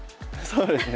そうですね。